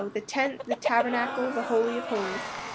the Tent, the Tabernacle, the Holy of Holies.